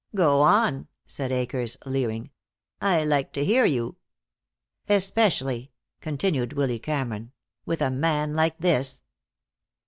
"Go on," said Akers, leering. "I like to hear you." "Especially," continued Willy Cameron, "with a man like this."